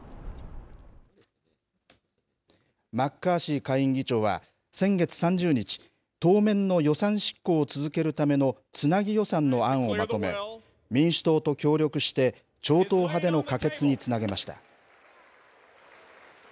マッカーシー下院議長は、先月３０日、当面の予算執行を続けるためのつなぎ予算の案をまとめ、民主党と協力して超党派での可決につなげました。